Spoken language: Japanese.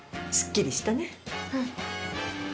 すっきりしたね。